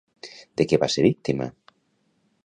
De què va ser víctima?